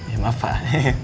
ya maaf pak